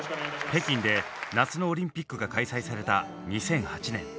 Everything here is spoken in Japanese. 北京で夏のオリンピックが開催された２００８年。